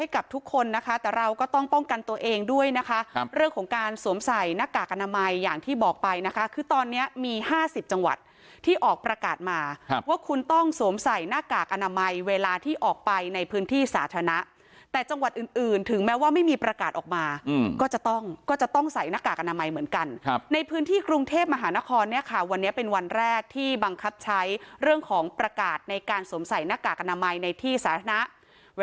ขอบคุณค่ะขอบคุณค่ะขอบคุณค่ะขอบคุณค่ะขอบคุณค่ะขอบคุณค่ะขอบคุณค่ะขอบคุณค่ะขอบคุณค่ะขอบคุณค่ะขอบคุณค่ะขอบคุณค่ะขอบคุณค่ะขอบคุณค่ะขอบคุณค่ะขอบคุณค่ะขอบคุณค่ะขอบคุณค่ะขอบคุณค่ะขอบคุณค่ะขอบคุณค่ะขอบคุณค่ะขอบ